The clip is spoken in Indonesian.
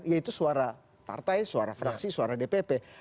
yaitu suara partai suara fraksi suara dpp